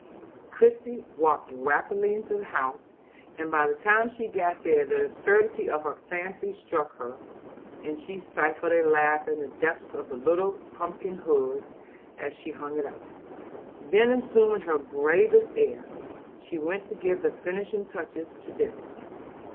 Christie walked rapidly into the house, and by the time she got there the absurdity of her fancy struck her, and she stifled a laugh in the depths of the little pumpkin hood, as she hung it up. Then, assuming her gravest air, she went to give the finishing touches to dinner.